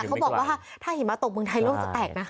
เขาบอกว่าถ้าหิมะตกเมืองไทยโลกจะแตกนะ